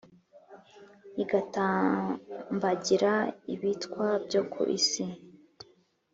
agatambagira ibitwa byo ku isi.